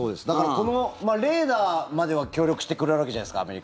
だからレーダーまでは協力してくれるわけじゃないですか。